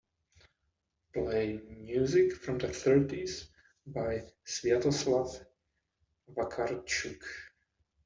Play music from the thirties by Swjatoslaw Wakartschuk.